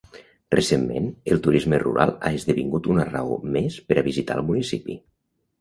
Recentment, el turisme rural ha esdevingut una raó més per a visitar el municipi.